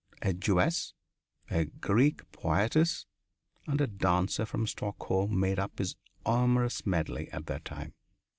A Jewess, a Greek poetess, and a dancer from Stockholm made up his amorous medley at that time.